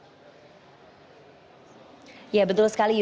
tidak ada masalah kita dapat tahu tentang kasus korupsi itu